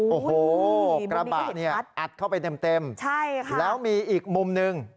โอ้โหมุมนี้ก็เห็นพัดอัดเข้าไปเต็มแล้วมีอีกมุมหนึ่ง